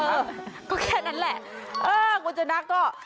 เออก็แค่นั้นแหละเออคุณจันทร์น่ะก็